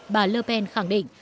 bà le pen khẳng định